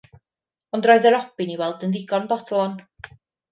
Ond roedd y robin i weld yn ddigon bodlon.